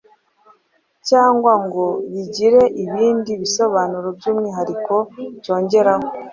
cyangwa ngo kigire ibindi bisobanuro by’umwihariko cyongeraho.